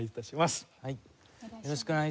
はい。